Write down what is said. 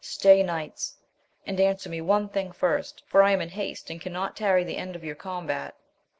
Stay, knighttf, and an inrer me rme thing firnt, for I am in ItaMte, and cannot tarry the end of your c^jmliat.